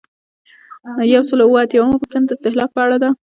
یو سل او اووه اتیایمه پوښتنه د استهلاک په اړه ده.